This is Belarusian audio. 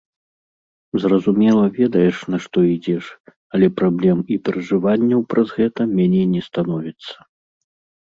Зразумела, ведаеш, на што ідзеш, але праблем і перажыванняў праз гэта меней не становіцца.